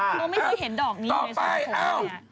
ลูกไม่เคยเห็นดอกนี้ไงสมุดทวด